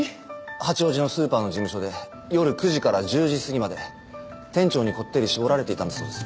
八王子のスーパーの事務所で夜９時から１０時過ぎまで店長にこってり絞られていたんだそうです。